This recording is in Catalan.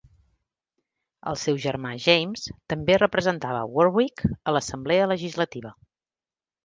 El seu germà James també representava Warwick a l'assemblea legislativa.